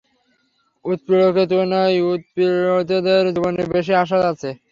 উৎপীড়কদের তুলনায় উৎপীড়িতদের জীবনে বেশী আশা আছে।